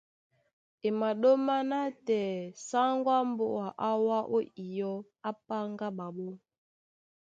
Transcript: E maɗóma nátɛɛ sáŋgó á mbóa á wá ó iyɔ́, á páŋgá ɓaɓɔ́.